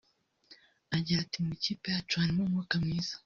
Agira ati “Mu ikipe yacu hari umwuka mwiza